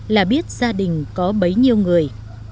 là biết gia đình có bấy nhiêu người